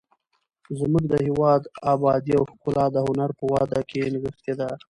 زموږ د هېواد ابادي او ښکلا د هنر په وده کې نغښتې ده.